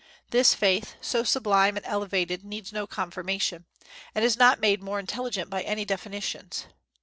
This faith, so sublime and elevated, needs no confirmation, and is not made more intelligent by any definitions.